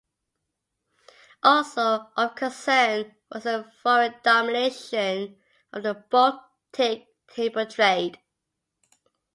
Also of concern was the foreign domination of the Baltic timber trade.